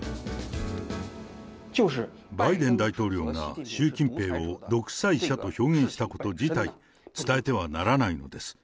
バイデン大統領が習近平を独裁者と表現したこと自体、伝えてはならないのです。